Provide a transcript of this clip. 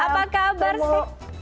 apa kabar sih